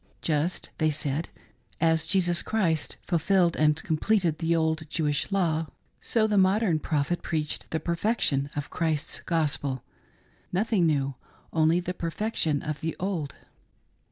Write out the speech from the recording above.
Just — they said — as Jesus Christ fulfilled and completed the old Jewish law, so the modern prophet preached the perfection of Christ's Gospel; — nothing new ; only the perfection of the old.